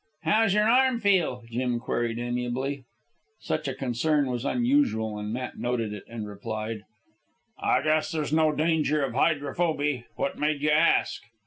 "How's your arm feel?" Jim queried amiably. Such concern was unusual, and Matt noted it, and replied "I guess there's no danger of hydrophoby. What made you ask?"